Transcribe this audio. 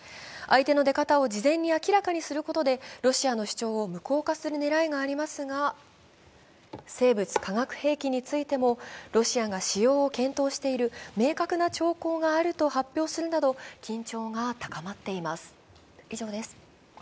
相手の出方を事前に明らかにすることでロシアの主張を無効化する狙いがありますが生物・化学兵器についてもロシアが使用を検討している明確な兆候があると発表するなど緊張が高まっています。